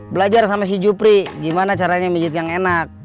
belajar sama si jupri gimana caranya mijit yang enak